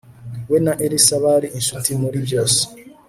We na Eliza bari inshuti muri byose